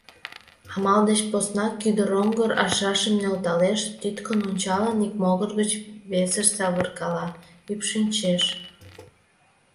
Амал деч поснак кӱдыроҥгыр аршашым нӧлталеш, тӱткын ончалын, ик могыр гыч весыш савыркала, ӱпшынчеш.